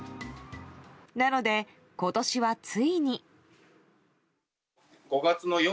なので、今年はついに。